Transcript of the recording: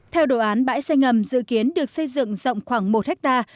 theo đồ án bãi xe ngầm dự kiến được xây dựng rộng khoảng một hectare